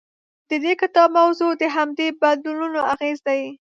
د دې کتاب موضوع د همدې بدلونونو اغېز دی.